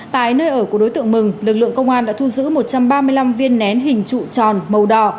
tại nơi ở của đối tượng mừng lực lượng công an đã thu giữ một trăm ba mươi năm viên nén hình trụ tròn màu đỏ